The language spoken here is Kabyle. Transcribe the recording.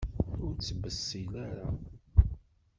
Ur ttbessil ara!